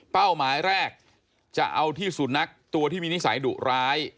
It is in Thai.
หมายแรกจะเอาที่สุนัขตัวที่มีนิสัยดุร้าย